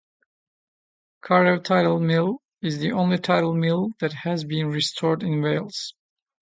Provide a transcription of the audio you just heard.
Carew Tidal Mill is the only tidal mill that has been restored in Wales.